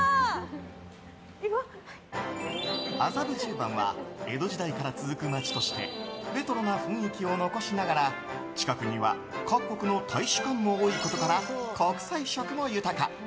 麻布十番は江戸時代から続く街としてレトロな雰囲気を残しながら近くには各国の大使館も多いことから国際色も豊か。